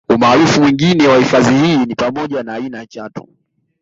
Umaarufu mwingine wa hifadhi hii ni pamoja ya aina ya Chatu